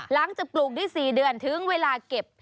หลังจากปลุกที่๔เดือนถึงเวลาเก็บ